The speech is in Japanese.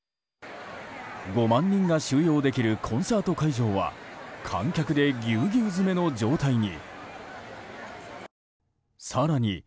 ５万人が収容できるコンサート会場は観客でぎゅうぎゅう詰めの状態に。